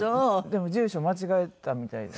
でも住所間違えてたみたいで。